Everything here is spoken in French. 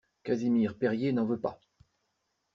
Casimir Perier n'en veut pas!